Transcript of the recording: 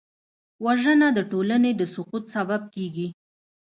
وژنه د ټولنې د سقوط سبب کېږي